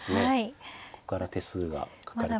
ここから手数がかかると。